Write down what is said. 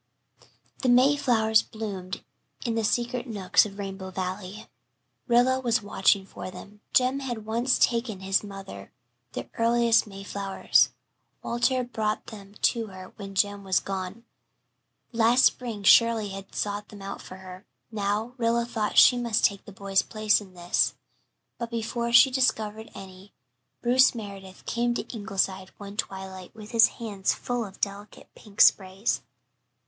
The mayflowers bloomed in the secret nooks of Rainbow Valley. Rilla was watching for them. Jem had once taken his mother the earliest mayflowers; Walter brought them to her when Jem was gone; last spring Shirley had sought them out for her; now, Rilla thought she must take the boys' place in this. But before she had discovered any, Bruce Meredith came to Ingleside one twilight with his hands full of delicate pink sprays.